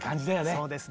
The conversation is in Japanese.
そうですね。